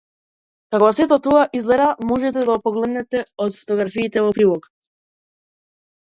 Како сето тоа изгледа можете да погледнете од фотографиите во прилог.